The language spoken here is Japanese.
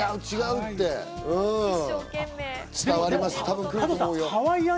違う違うって、伝わります、多分。